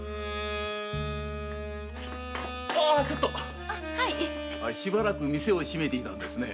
あちょっとしばらく店を閉めていたんですね。